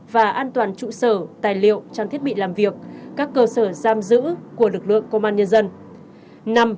và an toàn trụ sở tài liệu trang thiết bị làm việc các cơ sở giam giữ của lực lượng công an nhân dân